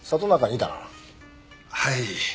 はい。